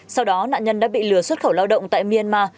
sau đó nạn nhân đã bị lừa xuất khẩu lao động tại myanmar